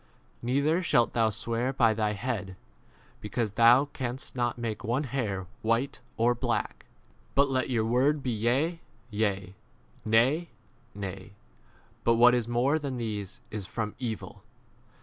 Neither shalt thou swear by thy head, because thou canst not make one hair & white or black. But let your word be Yea, yea ; Nay, nay ; but what is more than these is from evil.